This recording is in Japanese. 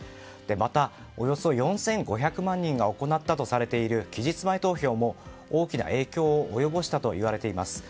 また、およそ４５００万人が行ったとみられている期日前投票も大きな影響を及ぼしたといわれています。